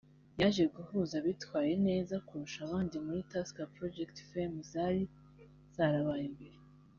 yaje guhuza abitwaye neza kurusha abandi muri Tusker Project Fame zari zarabaye mbere